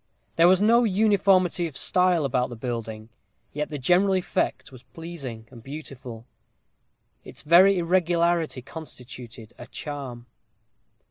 There was no uniformity of style about the building, yet the general effect was pleasing and beautiful. Its very irregularity constituted a charm.